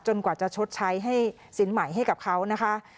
จนกว่าจะชดใช้สินไหมให้กับเขานะคะ